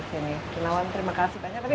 kinawan terima kasih